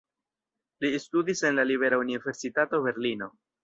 Li studis en la Libera Universitato Berlino.